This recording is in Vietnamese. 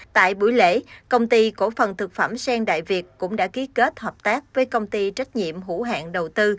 tại buổi lễ công ty cổ phần thực phẩm sen đại việt cũng đã ký kết hợp tác với công ty trách nhiệm hữu hạn đầu tư